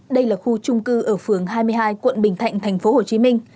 đây là khu trung cư ở phường hai mươi hai quận bình thạnh thành phố hồ chí minh